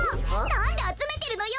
なんであつめてるのよ！